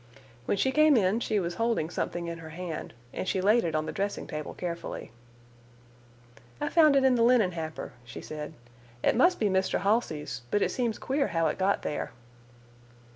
When she came in she was holding something in her hand, and she laid it on the dressing table carefully. "I found it in the linen hamper," she said. "It must be Mr. Halsey's, but it seems queer how it got there."